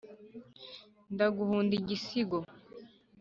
ndaguhunda igisigo